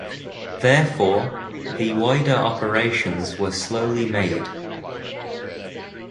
Therefore, the wider operations were slowly made.